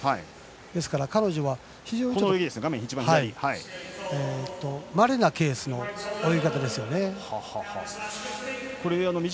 ですから彼女は、まれなケースの泳ぎ方ですよね。